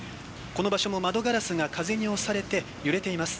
この場所も窓ガラスが風に押されて揺れています。